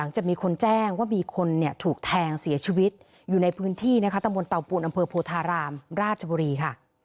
จะมีคนแจ้งว่ามีคนถูกแทงเสียชีวิตอยู่ในพื้นที่ตำบลเตาปูนอำเภอโพธารามราชบุรีค่ะ